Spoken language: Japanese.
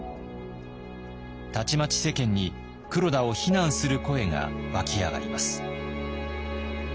たちまち世間に黒田を非難する声が湧き上がります。